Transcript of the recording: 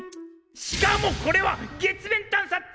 しかもこれは「月面探査２」！